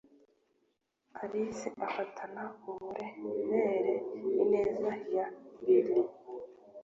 alice afatana uburemere ineza ya bill